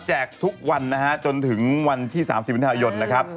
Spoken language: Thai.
ทุกวันนะฮะจนถึงวันที่๓๐มิถุนายนนะครับ